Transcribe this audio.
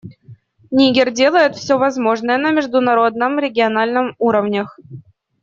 Нигер делает все возможное на международном и региональном уровнях.